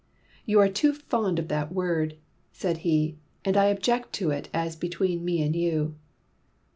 "You are too fond of that word," said he, "and I object to it as between me and you."